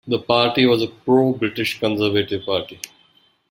The party was a pro-British conservative party.